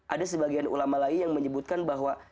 ada sebagian ulama lagi yang menyebutkan bahwa